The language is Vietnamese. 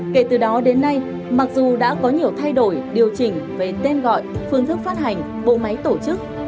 kể từ đó đến nay mặc dù đã có nhiều thay đổi điều chỉnh về tên gọi phương thức phát hành bộ máy tổ chức